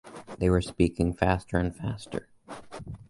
They were speaking faster and faster.